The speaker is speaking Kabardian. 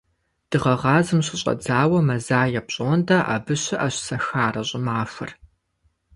Дыгъэгъазэм щыщӏэдзауэ мазае пщӏондэ абы щыӏэщ «Сахарэ щӏымахуэр».